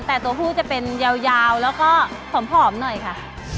แต่ตัวผู้จะเป็นยาวแล้วก็ผอมหน่อยค่ะ